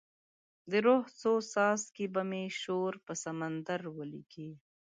د روح څو څاڅکي به مې شور پر سمندر ولیکې